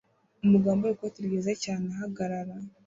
Umugabo wambaye ikoti ryiza cyane ahagarara